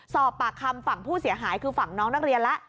สอบปากคำฝั่งผู้เสียหายคือฝั่งน้องนักเรียนแล้ว